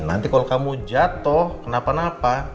nanti kalau kamu jatuh kenapa napa